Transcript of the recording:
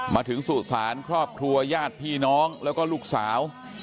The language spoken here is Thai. มาถึงสูตรศาลครอบครัวยาดพี่น้องแล้วก็ลูกสาว